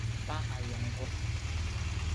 Pa ajungkur!